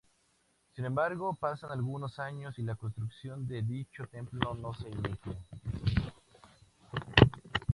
Sin embargo, pasan algunos años y la construcción de dicho templo no se inicia.